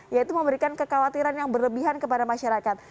yaitu memberikan kekhawatiran yang berlebihan kepada masyarakat